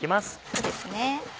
そうですね。